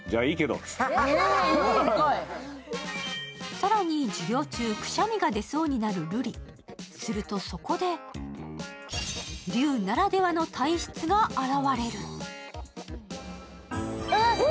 さらに、授業中くしゃみが出そうになるルリ、するとそこで龍ならではの体質が現れる。